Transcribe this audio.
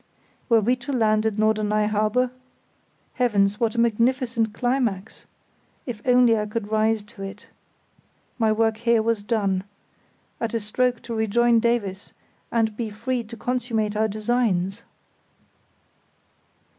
Were we to land at Norderney harbour? Heavens, what a magnificent climax!—if only I could rise to it. My work here was done. At a stroke to rejoin Davies and be free to consummate our designs!